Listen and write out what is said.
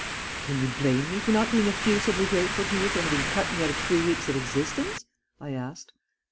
"'Can you blame me for not being effusively grateful to you for having cut me out of three weeks of existence?' I asked.